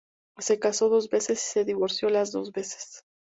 Se casó dos veces y se divorció las dos veces.